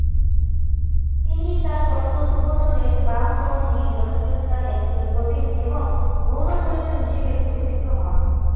তিনি তার গত দুই বছরে বামপন্থী জনপ্রিয়তার একজন প্রবীণ এবং গৌণ চরিত্র হিসাবে বিবেচিত হন।